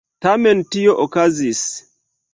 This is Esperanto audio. Tamen tio okazis.